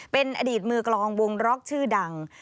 เป็นอดีตมือกลองวงร็อกชื่อดัง